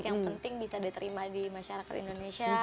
yang penting bisa diterima di masyarakat indonesia